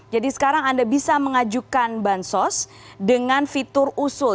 jadi sekarang anda bisa mengajukan bansos dengan fitur usul